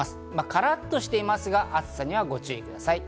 カラっとしていますが暑さにはご注意ください。